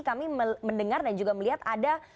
kami mendengar dan juga melihat ada